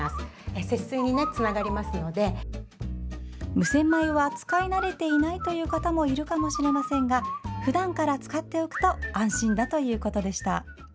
無洗米は使い慣れていないという方もいるかもしれませんがふだんから使っておくと安心だということでした。